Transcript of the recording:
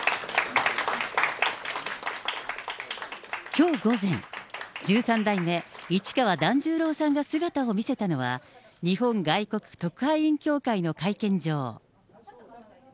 きょう午前、十三代目市川團十郎さんが姿を見せたのは、日本外国特派員協会の会見場。